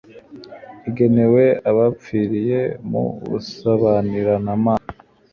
igenewe abapfiriye mu busabaniramana